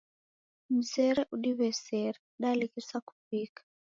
Mzere udiw'esere, dalighisa kuvika.